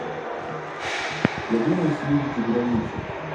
Я думаю съездить за границу.